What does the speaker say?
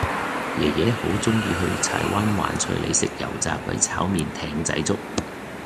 爺爺好鍾意去柴灣環翠里食油炸鬼炒麵艇仔粥